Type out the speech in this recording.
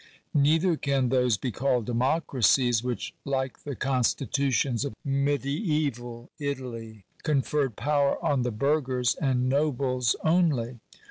Neither can those be called democracies, which, like the consti tutions of mediaeval Italy, conferred power on the burghers and nobles only.